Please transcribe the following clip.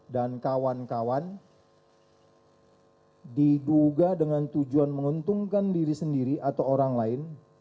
dan kawan kawan diduga dengan tujuan menguntungkan diri sendiri atau orang lain